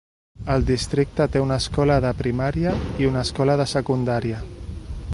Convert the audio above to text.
El districte té una escola de primària i una escola de secundària.